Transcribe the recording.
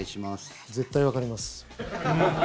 絶対わかります。